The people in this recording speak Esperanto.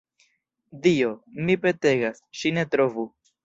Dio, mi petegas, ŝi ne trovu!